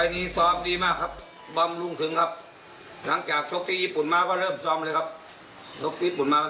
เตรียมป้องกันแชมป์ที่ไทยรัฐไฟล์นี้โดยเฉพาะ